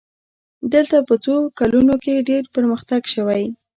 دلته په څو کلونو کې ډېر پرمختګ شوی.